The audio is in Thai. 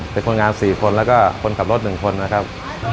เป็นคนงาน๔คนแล้วก็คนขับรถ๑คนนะครับ